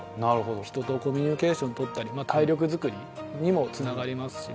人とコミュニケーションとったり体力づくりにもつながりますしね。